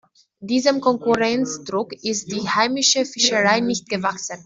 Diesem Konkurrenzdruck ist die heimische Fischerei nicht gewachsen.